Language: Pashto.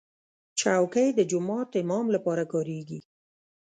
چوکۍ د جومات امام لپاره کارېږي.